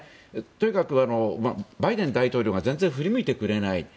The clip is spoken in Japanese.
とにかくバイデン大統領が全然振り向いてくれない。